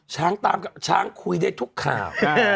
ตามช้างคุยได้ทุกข่าว